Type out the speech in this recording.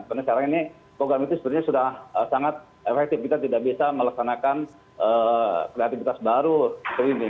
karena sekarang ini program itu sudah sangat efektif kita tidak bisa melaksanakan kreatifitas baru seperti ini